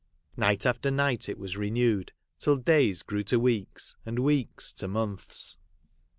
Night after night it was renewed, till days grew to weeks and weeks to months.